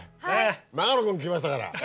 長野君来ましたから。